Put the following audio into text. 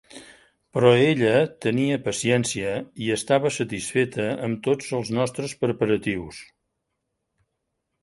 Però ella tenia paciència i estava satisfeta amb tots els nostres preparatius.